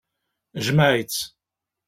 Jmeɛ-itt.